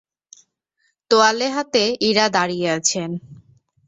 তোয়ালে হাতে ইরা দাঁড়িয়ে আছেন।